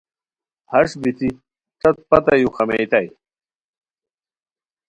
ہݰ بتی ݯت پتہ یو خامئیتائے